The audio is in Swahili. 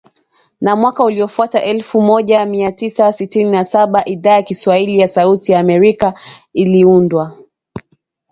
Na mwaka uliofuata elfu moja mia tisa sitini na saba Idhaa ya Kiswahili ya Sauti ya Amerika iliundwa